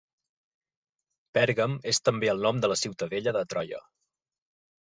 Pèrgam és també el nom de la ciutadella de Troia.